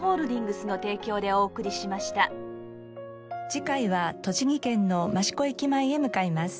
次回は栃木県の益子駅前へ向かいます。